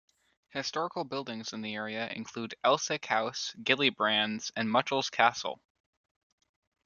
Historical buildings in the area include Elsick House, Gillybrands and Muchalls Castle.